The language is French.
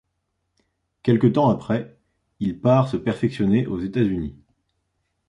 Quelque temps après, il part se perfectionner aux États-Unis.